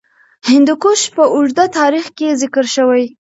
هندوکش په اوږده تاریخ کې ذکر شوی.